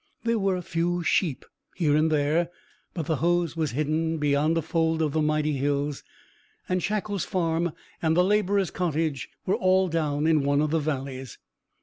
There were a few sheep here and there, but the Hoze was hidden beyond a fold of the mighty hills, and Shackle's farm and the labourer's cottage were all down in one of the valleys.